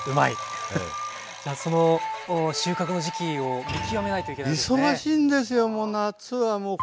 じゃあその収穫の時期を見極めないといけないわけですね。